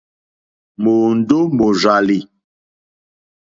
Mòòndó mòrzàlì.